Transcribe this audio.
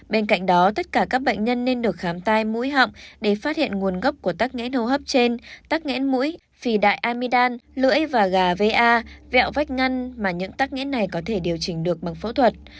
bên cạnh đó tất cả các bệnh nhân nên được khám tay mũi họng để phát hiện nguồn gốc của tắc nghẽn hô hấp trên tắc nghẽn mũi phì đại amidam lưỡi và gà va vẹo vách ngăn mà những tắc nghẽn này có thể điều chỉnh được bằng phẫu thuật